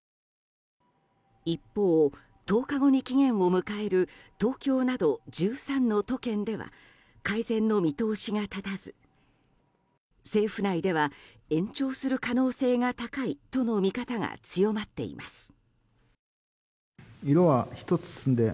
一方、１０日後に期限を迎える東京など１３の都県では改善の見通しが立たず政府内では延長する可能性が高いとの見方が強まっています。